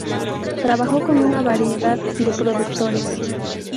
Trabajó con una variedad de productores.